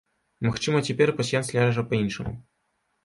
Магчыма, цяпер пасьянс ляжа па-іншаму.